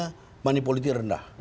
keuntungan politik rendah